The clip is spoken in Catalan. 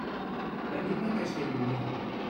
Venim de Castellolí.